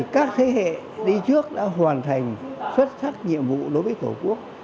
các thế hệ đi trước đã hoàn thành xuất sắc nhiệm vụ đối với tổ quốc